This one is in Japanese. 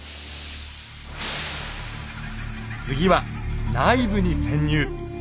次は内部に潜入。